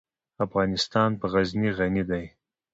افغانستان په غزني غني دی.